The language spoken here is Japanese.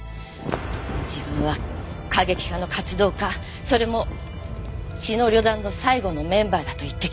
自分は過激派の活動家それも血の旅団の最後のメンバーだと言ってきたんです。